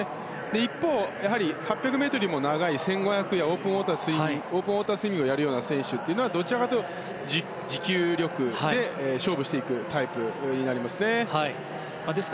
一方、８００ｍよりも長い１５００やオープンウォータースイミングをやるような選手はどちらかというと持久力で勝負していくタイプになります。